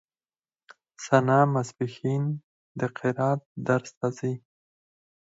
ثنا ماسپښين د قرائت درس ته ځي.